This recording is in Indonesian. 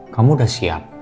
kamu udah siap